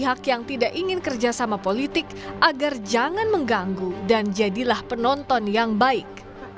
kalau nonton di pinggir jalan silahkan jadi penonton yang baik